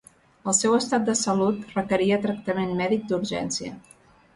El seu estat de salut requeria tractament mèdic d’urgència.